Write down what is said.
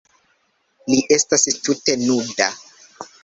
Li estas tute nuda.